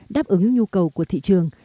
đáp ứng nhu cầu của thị trường